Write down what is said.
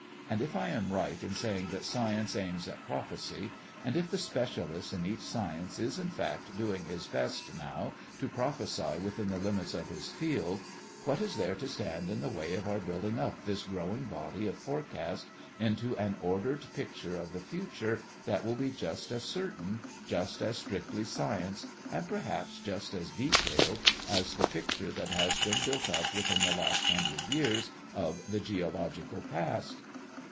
And if I am right in saying that science aims at prophecy, and if the specialist in each science is in fact doing his best now to prophesy within the limits of his field, what is there to stand in the way of our building up this growing body of forecast into an ordered picture of the future that will be just as certain, just as strictly science, and perhaps just as detailed as the picture that has been built up within the last hundred years of the geological past?